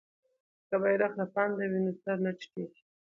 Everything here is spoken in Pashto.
که بیرغ رپاند وي نو سر نه ټیټیږي.